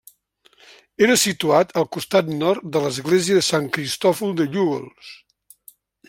Era situat al costat nord de l'església de Sant Cristòfol de Llúgols.